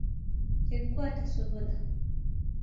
Yegwe atasobola!